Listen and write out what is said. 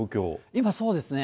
今、そうですね。